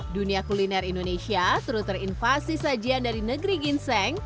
dunia kuliner indonesia teruterinvasi sajian dari negeri ginseng